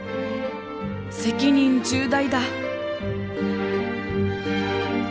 責任重大だ！